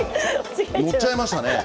乗っちゃいましたね。